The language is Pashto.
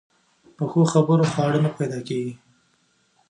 په ښو خبرو خواړه نه پیدا کېږي.